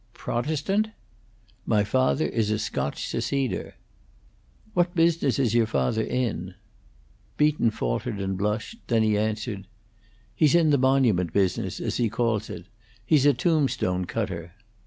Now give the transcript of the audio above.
"Protestant?" "My father is a Scotch Seceder." "What business is your father in?" Beaton faltered and blushed; then he answered: "He's in the monument business, as he calls it. He's a tombstone cutter."